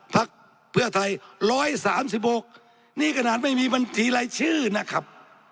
พักเพื่อไทย๑๓๖นี่ขนาดไม่มีบัญชีรายชื่อนะครับ